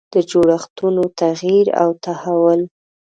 د جوړښتونو تغییر او تحول.